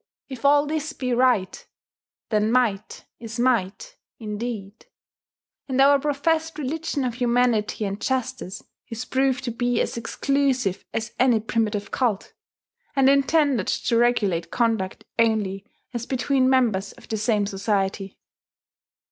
If all this be right, then might is might indeed; and our professed religion of humanity and justice is proved to be as exclusive as any primitive cult, and intended to regulate conduct only as between members of the same society.